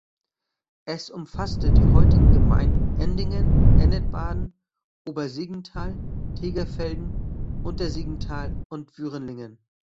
Es umfasste die heutigen Gemeinden Endingen, Ennetbaden, Obersiggenthal, Tegerfelden, Untersiggenthal und Würenlingen.